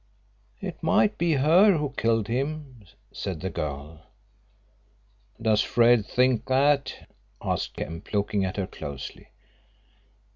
"It might be her who killed him," said the girl. "Does Fred think that?" asked Kemp, looking at her closely.